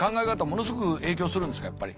ものすごく影響するんですかやっぱり。